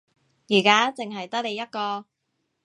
而家淨係得你一個